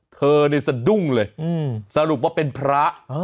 เธอนี่สะดุ้งเลยสรุปว่าเป็นพระ